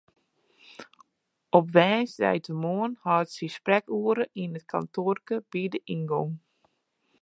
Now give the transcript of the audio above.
Op woansdeitemoarn hâldt se sprekoere yn it kantoarke by de yngong.